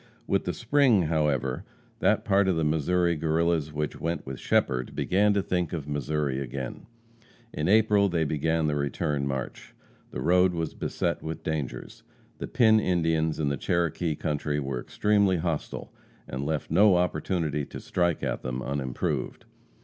With the spring, however, that part of the Missouri Guerrillas which went with Shepherd, began to think of Missouri again. In April they began the return march. The road was beset with dangers. The Pin Indians in the Cherokee country were extremely hostile, and left no opportunity to strike at them unimproved.